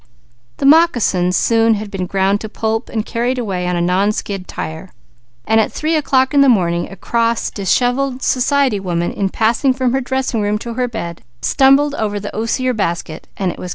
The moccasins soon had been ground to pulp and carried away on a non skid tire while at three o'clock in the morning a cross, dishevelled society woman, in passing from her dressing room to her bed, stumbled over the osier basket, kicking it from her way.